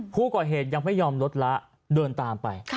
ผู้ก่อเหตุยังไม่ยอมลดละเดินตามไป